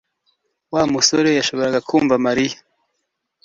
Wa musore yashoboraga kumva Mariya